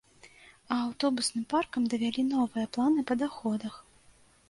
А аўтобусным паркам давялі новыя планы па даходах.